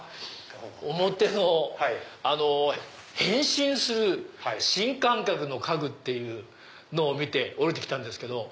表の変身する新感覚の家具っていうのを見て下りて来たんですけど。